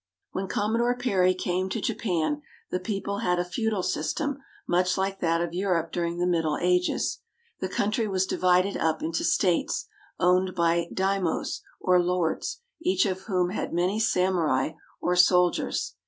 When Commodore Perry came to Japan, the people had a feudal system much Uke that of Europe during the Middle Ages. The country was divided up into states, owned by daimos, or lords, each of whom had many samurai, or soldiers.